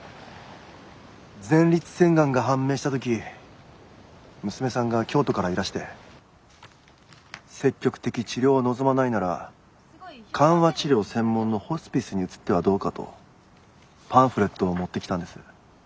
前立腺がんが判明したとき娘さんが京都からいらして積極的治療を望まないなら緩和治療専門のホスピスに移ってはどうかとパンフレットを持ってきたんです。